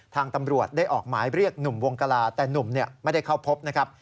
ทางตำรวจได้ออกหมายเรียกหนุ่มวงกลาแต่หนุ่มไม่ได้เข้าพบนะครับ